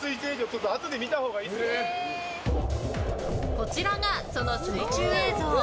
こちらが、その水中映像。